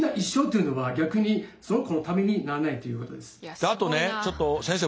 しかもあとねちょっと先生